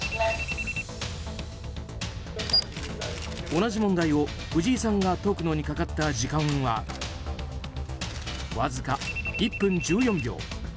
同じ問題を藤井さんが解くのにかかった時間はわずか１分１４秒。